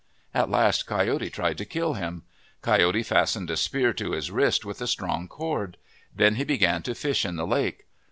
At last Coyote tried to kill him. Coyote fastened a spear to his wrist with a strong cord. Then he began to fish in the lake.